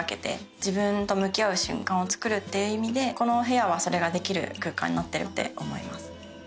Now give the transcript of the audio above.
瞬間をつくるっていう意味でこの部屋はそれができる空間になってるって思います。